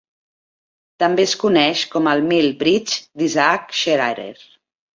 També es coneix com el Mill Bridge d'Isaac Shearer.